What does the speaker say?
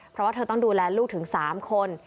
เพราะว่าเธอต้องดูแลลูกถึง๓คน